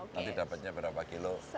nanti dapatnya berapa kilo